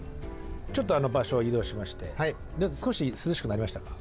ちょっと場所を移動しまして少し涼しくなりましたか？